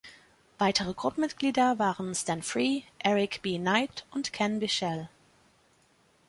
Weitere Gruppenmitglieder waren Stan Free, Eric B. Knight und Ken Bichel.